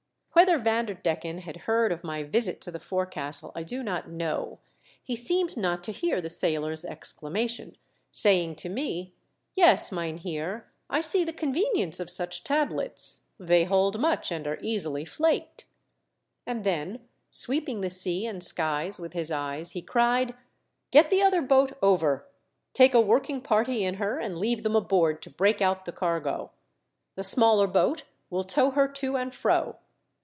Whether Vanderdecken had heard of my visit to the forecastle I do not know : he seemed not to hear the sailor's exclamation, saying to me, "Yes, mynheer, I see the con venience of such tablets ; they hold much and are easily flaked." And then, sweeping the sea and skies with his eyes, he cried :" Get the other boat over : take a working party in her and leave them aboard to break out the cargo. The smaller boat will tow her to and fro.